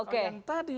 kalau yang tadi